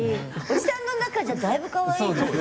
おじさんの中じゃだいぶかわいいと思う。